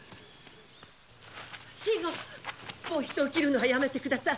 もう人を斬るのはやめてください！